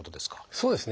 そうです。